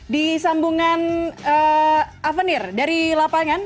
di sambungan avenir dari lapangan